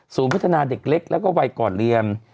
ศูนย์พิจารณาเด็กเล็กแล้วก็วัยก่อนเรียน